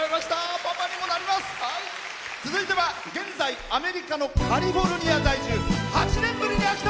続いては現在アメリカのカリフォルニアに在住。